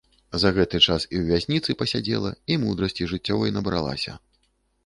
За гэты час і ў вязніцы пасядзела, і мудрасці жыццёвай набралася.